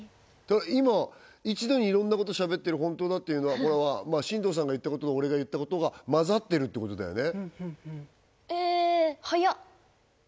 今一度にいろんなことしゃべってる本当だっていうのはこれは進藤さんが言ったことと俺が言ったことがまざってるってことだよねえ速っ！